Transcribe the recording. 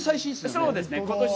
そうですね。